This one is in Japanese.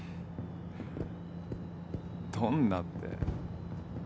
どんなって。